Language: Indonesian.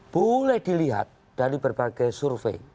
boleh dilihat dari berbagai survei